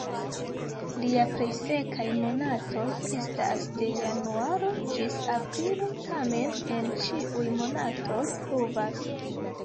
Lia plej sekaj monatoj estas de januaro ĝis aprilo, tamen, en ĉiuj monatoj pluvas.